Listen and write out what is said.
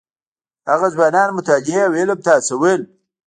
هغه ځوانان مطالعې او علم ته هڅول.